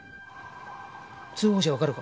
通報者わかるか？